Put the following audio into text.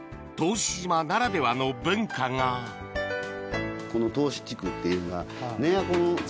志島ならではの文化がこの答志地区っていうのは。